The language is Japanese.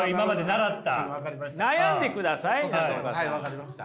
分かりました。